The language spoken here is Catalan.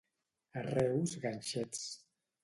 A Reus, ganxets.